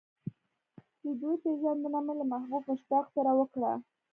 د دوی پېژندنه مې له محبوب مشتاق سره وکړه.